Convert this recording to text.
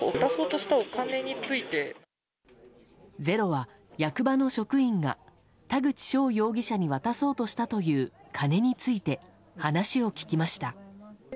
「ｚｅｒｏ」は役場の職員が田口翔容疑者に渡そうとしたという金について話を聞きました。